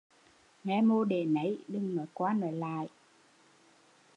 Nghe mô để nấy, đừng nói qua nói lại